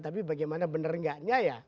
tapi bagaimana benar enggaknya ya